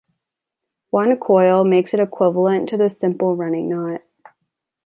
One coil makes it equivalent to the simple running knot.